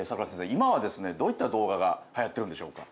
今はですねどういった動画が流行ってるんでしょうか。